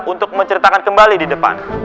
untuk menceritakan kembali di depan